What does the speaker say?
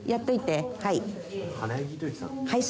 「はい。